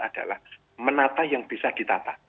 adalah menata yang bisa ditata